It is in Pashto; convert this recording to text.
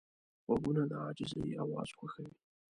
غوږونه د عاجزۍ اواز خوښوي